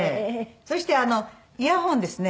そしてイヤホンですね。